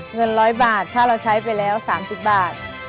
เงิน๑๐๐บาทถ้าเราใช้ไปแล้ว๓๐บาท